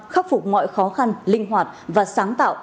khắc phục mọi khó khăn linh hoạt và sáng tạo